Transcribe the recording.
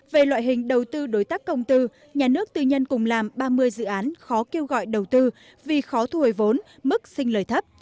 về loại hình đầu tư đối tác công tư nhà nước tư nhân cùng làm ba mươi dự án khó kêu gọi đầu tư vì khó thu hồi vốn mức sinh lời thấp